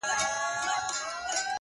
انصاف څه سو آسمانه زلزلې دي چي راځي!!